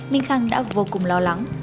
minh khang đã vô cùng lo lắng